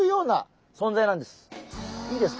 いいですか？